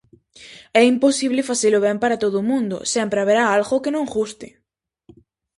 É imposible facelo ben para todo o mundo, sempre haberá algo que non guste.